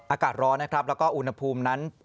อากาศร้อนนะครับแล้วก็อุณหภูมินั้น